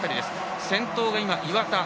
先頭が岩田。